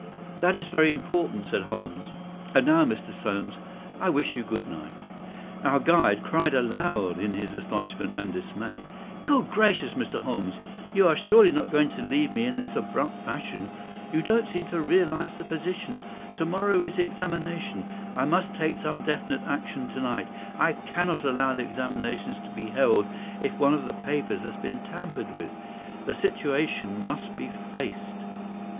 "That is very important," said Holmes. "And now, Mr. Soames, I wish you good night." Our guide cried aloud in his astonishment and dismay. "Good gracious, Mr. Holmes, you are surely not going to leave me in this abrupt fashion! You don't seem to realize the position. To morrow is the examination. I must take some definite action to night. I cannot allow the examination to be held if one of the papers has been tampered with. The situation must be faced."